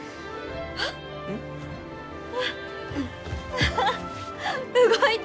アハ動いた！